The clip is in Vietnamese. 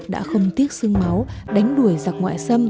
đã không tiếc sương máu đánh đuổi giặc ngoại xâm